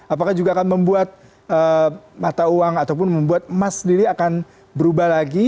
apakah juga akan membuat mata uang ataupun membuat emas sendiri akan berubah lagi